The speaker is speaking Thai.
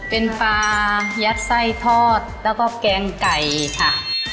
เป็นปลายัดไส้ทอดแล้วก็แกงไก่ค่ะ